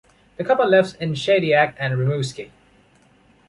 The couple lives in Shediac and Rimouski.